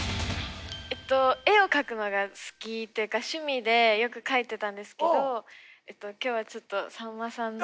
えっと絵を描くのが好きというか趣味でよく描いてたんですけど今日はちょっとさんまさんの。